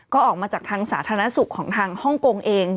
ก็ออกมาจากทางสาธารณสุขของทางฮ่องกงเอง